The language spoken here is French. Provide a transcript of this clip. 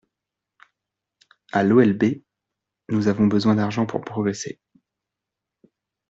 À l’OLB, nous avons besoin d’argent pour progresser.